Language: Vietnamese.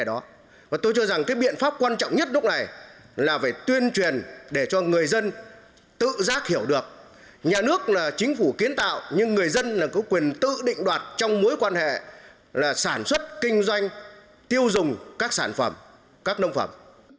tuy nhiên đoàn đại biểu lưu bình nhưỡng nói rằng cái biện pháp quan trọng nhất lúc này là phải tuyên truyền để cho người dân tự giác hiểu được nhà nước là chính phủ kiến tạo nhưng người dân là có quyền tự định đoạt trong mối quan hệ là sản xuất kinh doanh tiêu dùng các sản phẩm các nông phẩm